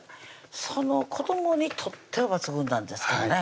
その子どもにとっては抜群なんですけどね